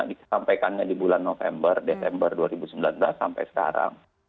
disampaikannya di bulan november desember dua ribu sembilan belas sampai sekarang